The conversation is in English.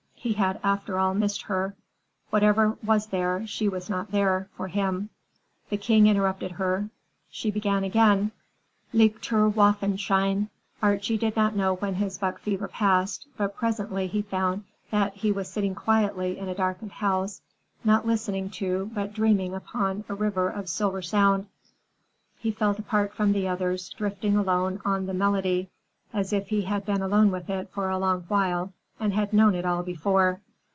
He had, after all, missed her. Whatever was there, she was not there—for him. The King interrupted her. She began again, "In lichter Waffen Scheine." Archie did not know when his buckfever passed, but presently he found that he was sitting quietly in a darkened house, not listening to but dreaming upon a river of silver sound. He felt apart from the others, drifting alone on the melody, as if he had been alone with it for a long while and had known it all before.